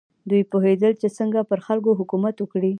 دوی پوهېدل چې څنګه پر خلکو حکومت وکړي.